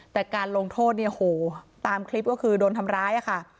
แต่การลงโทษเนี่ยโหตามคลิปก็คือโดนทำร้ายค่ะ